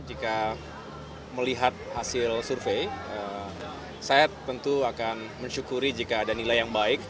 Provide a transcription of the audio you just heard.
jika melihat hasil survei saya tentu akan mensyukuri jika ada nilai yang baik